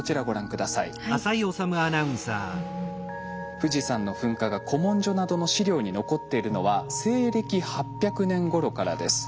富士山の噴火が古文書などの史料に残っているのは西暦８００年ごろからです。